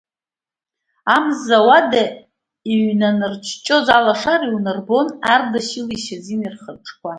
Амза ауада иҩнанарҷҷоз алашара иунарбон Ардашьыли Шьазинеи рхаҿқәа.